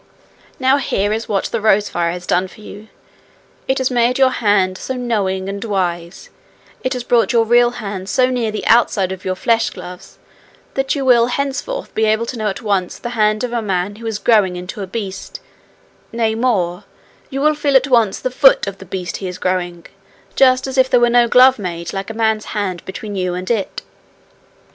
'Now here is what the rose fire has done for you: it has made your hands so knowing and wise, it has brought your real hands so near the outside of your flesh gloves, that you will henceforth be able to know at once the hand of a man who is growing into a beast; nay, more you will at once feel the foot of the beast he is growing, just as if there were no glove made like a man's hand between you and it.